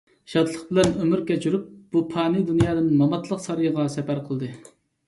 شادلىق بىلەن ئۆمۈر كەچۈرۈپ، بۇ پانىي دۇنيادىن ماماتلىق سارىيىغا سەپەر قىلدى.